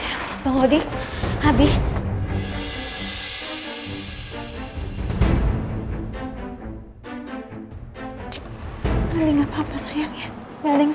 tidak maksud aku begitu menurutmubetween addressing bagi beravana sama abis senja buat lady di rumah pijanlex